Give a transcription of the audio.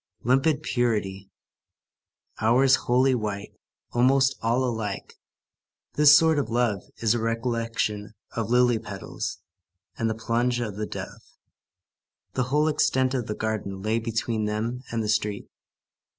Limpid purity. Hours wholly white; almost all alike. This sort of love is a recollection of lily petals and the plumage of the dove. The whole extent of the garden lay between them and the street.